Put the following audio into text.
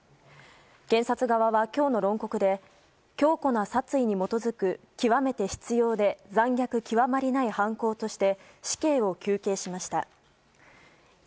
検察側は今日の論告で強固な殺意に基づく極めて執拗で残虐極まりない犯行だとして死刑を求刑しました。